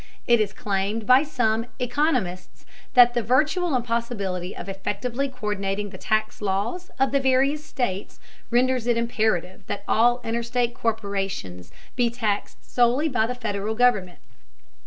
It is claimed by some economists that the virtual impossibility of effectively co÷rdinating the tax laws of the various states renders it imperative that all interstate corporations be taxed solely by the Federal government.